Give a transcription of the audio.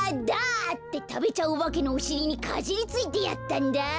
だ！」ってたべちゃうおばけのおしりにかじりついてやったんだ。